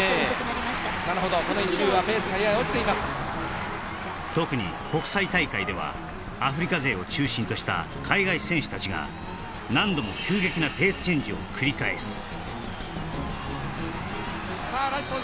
なるほど特に国際大会ではアフリカ勢を中心とした海外選手たちが何度も急激なペースチェンジを繰り返すさあラスト